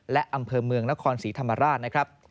และอำเภอเมืองนครศรีธรรมราชนะครับ